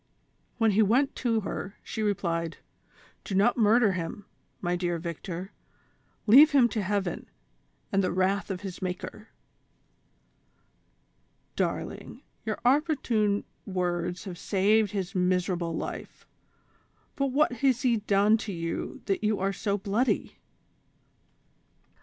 When he went to her, she replied : "Do not murder him, my dear Victor, leave him to heaven, and the wrath of his Maker." "Darling, your opportune words have saved his miser able life ; but what has he done t9 you that you are so bloody?"